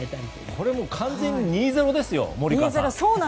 これは完全に２−０ですよ、森川さん。